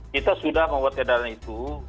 kita sudah membuat edaran itu